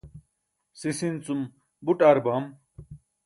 sis in cum buṭ ar bam